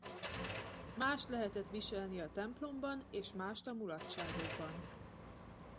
Mást lehetett viselni a templomban és mást a mulatságokban.